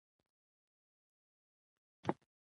• باران د فصلونو د ودې سبب کېږي.